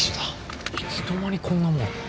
いつの間にこんなもん。